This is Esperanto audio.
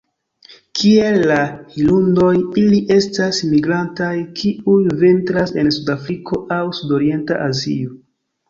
Kiel la hirundoj, ili estas migrantaj, kiuj vintras en suda Afriko aŭ sudorienta Azio.